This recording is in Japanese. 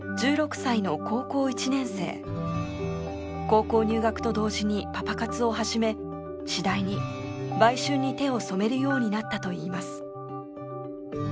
高校入学と同時にパパ活を始め次第に売春に手を染めるようになったといいます。